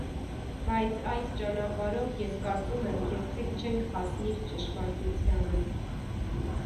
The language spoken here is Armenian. բայց այդ ճանապարհով, ես կարծում եմ, երբեք չենք հասնիլ ճշմարտությանը: